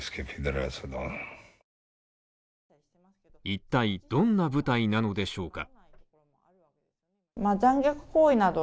いったいどんな部隊なのでしょうか？